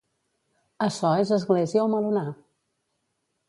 Açò és església o melonar?